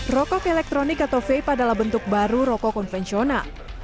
rokok elektronik atau vape adalah bentuk baru rokok konvensional